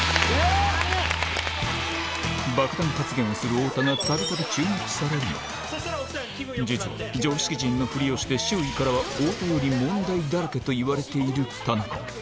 爆弾発言をする太田がたびたび注目されるが、実は常識人のふりをして、周囲からは太田より問題だらけといわれている田中。